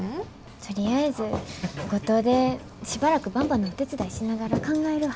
とりあえず五島でしばらくばんばのお手伝いしながら考えるわ。